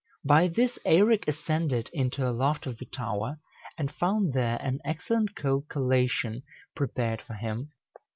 By this Eirek ascended into a loft of the tower, and found there an excellent cold collation prepared for him.